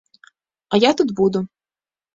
А я тут буду.